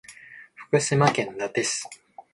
福島県伊達市